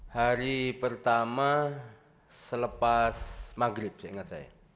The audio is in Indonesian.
hari pertama selepas maghrib saya ingat